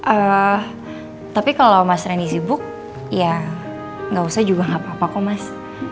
ehh tapi kalo mas randy sibuk ya gak usah juga gak apa apa kok mas